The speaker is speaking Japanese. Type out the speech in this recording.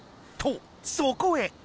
とそこへ。